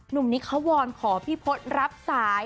นุ่มนิคเขาวอนขอพี่พลตรับสาย